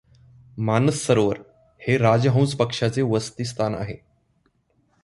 मानस सरोवर हे राजहंस पक्ष्याचे वसतिस्थान आहे.